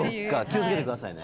気をつけてくださいね。